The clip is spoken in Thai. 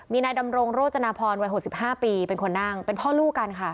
มีนายดำรงโรจนาพรวัย๖๕ปีเป็นคนนั่งเป็นพ่อลูกกันค่ะ